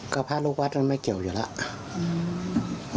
ก็พระลูกวัดมันไม่เกี่ยวอยู่แล้ว